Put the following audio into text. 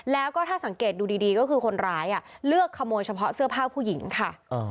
แล้วก็ถ้าสังเกตดูดีก็คือคนร้ายเลือกขโมยเฉพาะเสื้อผ้าผู้หญิงค่ะ